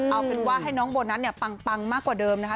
เอาเป็นว่าให้น้องโบนัสเนี่ยปังมากกว่าเดิมนะคะ